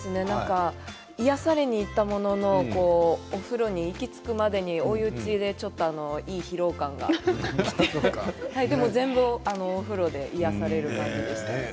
癒やされに行ったもののお風呂に行き着くまでに追い打ちで疲労感がきてしまって癒やされました。